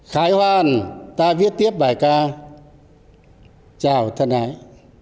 thầy hoan ta viết tiếp bài ca chào thân hãi